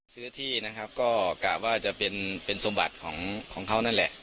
ซื้อที่นะครับก็กะว่าจะเป็นสมบัติของเขานั่นแหละ